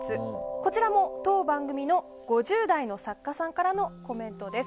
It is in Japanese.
こちらも当番組の５０代の作家さんからのコメントです。